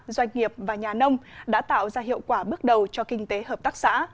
doanh nghiệp và nhà nông đã tạo ra hiệu quả bước đầu cho kinh tế hợp tác xã